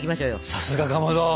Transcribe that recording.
さすがかまど！